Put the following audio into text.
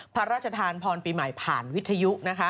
พระราชทานพรปีใหม่ผ่านวิทยุนะคะ